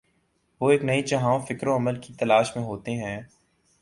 وہ ایک نئے جہان فکر و عمل کی تلاش میں ہوتے ہیں۔